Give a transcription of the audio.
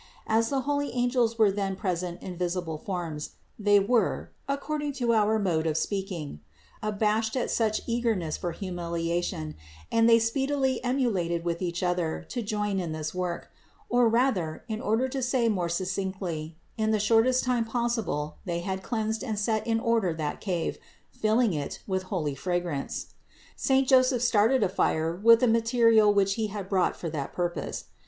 As the holy angels were then present in visible forms, they were (according to our mode of speaking) abashed at such eagerness for humiliation, and they speedily emulated with each other to join in this work; or rather, in order to say it more succinctly, in the shortest time possible they had cleansed and set in order that cave, filling it with holy fragrance. Saint Joseph started a fire with the material which he had brought for that purpose.